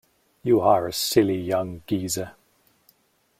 You are a silly young geezer.